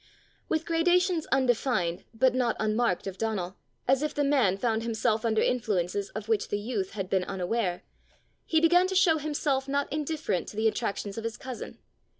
With gradations undefined, but not unmarked of Donal, as if the man found himself under influences of which the youth had been unaware, he began to show himself not indifferent to the attractions of his cousin.